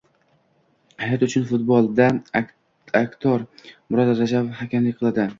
“Hayot uchun futbol!”da aktor Murod Rajabov hakamlik qiladi